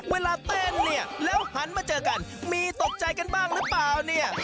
เวลาเต้นเนี่ยแล้วหันมาเจอกันมีตกใจกันบ้างหรือเปล่าเนี่ย